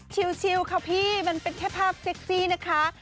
ชิลค่ะพี่มันเป็นแค่ภาพเซ็กซี่นะคะ